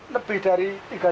lebih dari tiga